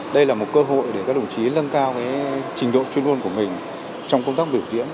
đây là một cơ hội để các đồng chí nâng cao cái trình độ chuyên ngôn của mình trong công tác biểu diễn